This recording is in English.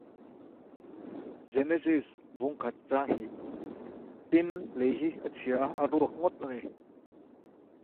His added confirmation name was Aloysius.